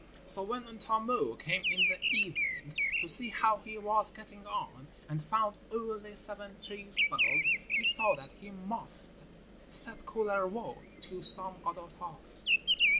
So when Untamo came in the evening to see how he was getting on, and found only seven trees felled, he saw that he must set Kullervo to some other task.